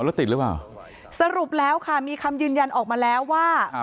แล้วติดหรือเปล่าสรุปแล้วค่ะมีคำยืนยันออกมาแล้วว่า